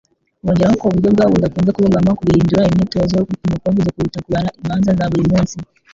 Bongeraho ko uburyo bwabo budakunze kubogama kubihindura imyitozo yo gupima covid kuruta kubara imanza za buri munsi